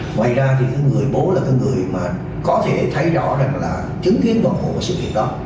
ngoài ra thì cái người bố là cái người mà có thể thấy rõ ràng là chứng kiến đoàn hộ của sự kiện đó